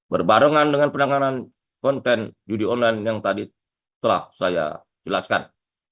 berbarengan dengan penanganan konten judi online yang tadi telah saya jelaskan